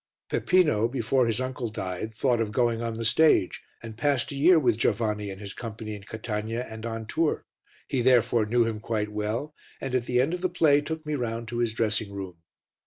Peppino, before his uncle died, thought of going on the stage and passed a year with Giovanni and his company in Catania and on tour, he therefore knew him quite well and at the end of the play took me round to his dressing room.